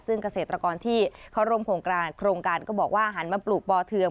ซึ่งเกษตรกรที่เขาร่วมโครงการก็บอกว่าหันมาปลูกปอเทือง